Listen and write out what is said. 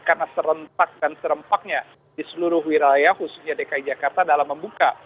karena serentak dan serempaknya di seluruh wiraya khususnya dki jakarta dalam membuka